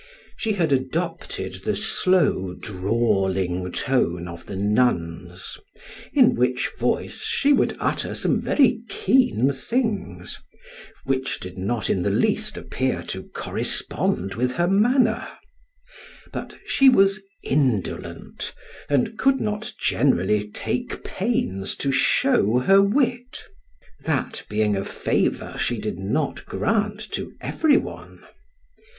She had adopted the slow drawling tone of the nuns, in which voice she would utter some very keen things, which did not in the least appear to correspond with her manner; but she was indolent, and could not generally take pains to show her wit, that being a favor she did not grant to every one.